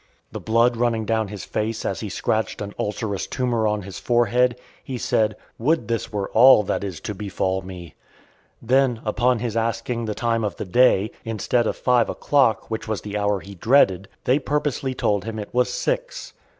The blood running down his face as he scratched an ulcerous tumour on his forehead, he said, "Would this were all that is to befall me!" Then, upon his asking the time of the day, instead of five o'clock, which was the hour he dreaded, they purposely told him it was six.